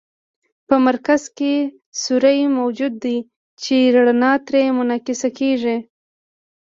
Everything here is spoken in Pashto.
په مرکز کې سوری موجود دی چې رڼا ترې منعکسه کیږي.